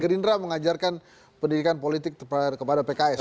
gerindra mengajarkan pendidikan politik kepada pks